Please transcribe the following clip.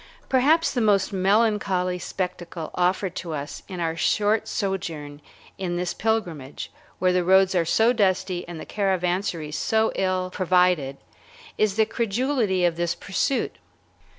Perhaps the most melancholy spectacle offered to us in our short sojourn in this pilgrimage, where the roads are so dusty and the caravansaries so ill provided, is the credulity of this pursuit.